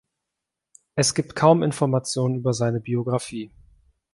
Es gibt kaum Informationen über seine Biographie.